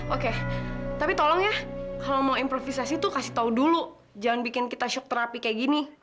oke tapi tolong ya kalau mau improvisasi tuh kasih tahu dulu jangan bikin kita syuk terapi kayak gini